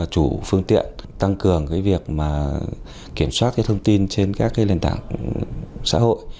chủ phương tiện tăng cường việc kiểm soát thông tin trên các nền tảng xã hội